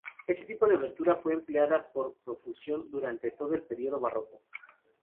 Este tipo de obertura fue empleada con profusión durante todo el período barroco.